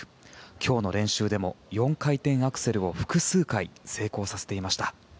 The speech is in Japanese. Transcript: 今日の練習でも４回転アクセルを複数回成功させていました。